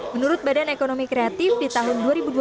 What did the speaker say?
menurut badan ekonomi kreatif di tahun dua ribu dua puluh